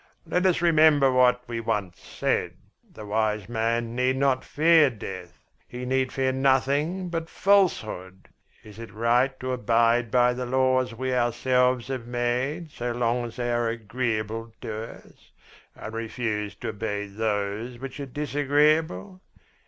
Let us remember what we once said the wise man need not fear death, he need fear nothing but falsehood. Is it right to abide by the laws we ourselves have made so long as they are agreeable to us, and refuse to obey those which are disagreeable?